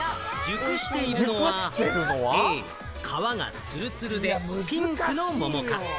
熟しているのはＡ・皮がツルツルでピンクの桃か？